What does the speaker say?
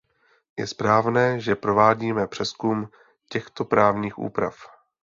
Je správné, že provádíme přezkum těchto právních úprav.